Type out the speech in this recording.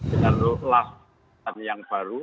dengan lelah yang baru